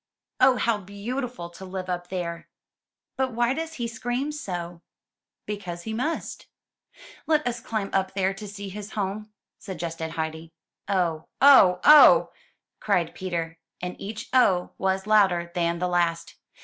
"Oh, how beautiful to live up there! But why does he scream so?" "Because he must." "Let us climb up there to see his home," suggested Heidi. 282 UP ONE PAIR OF STAIRS '*0h, oh, oh!'' cried Peter; and each *'oh'' was louder than the last.